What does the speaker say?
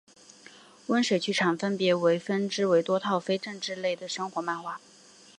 温水剧场分别分支为多套非政治类的生活漫画